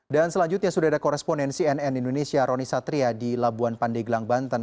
dan selanjutnya sudah ada koresponensi nn indonesia roni satria di labuan pandeglang banten